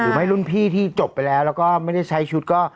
ไม่รุ่นพี่ที่จบไปแล้วแล้วก็ไม่ได้ใช้ชุดก็